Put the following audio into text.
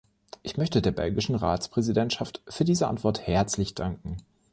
Ich möchte der belgischen Ratspräsidentschaft für diese Antwort herzlich danken.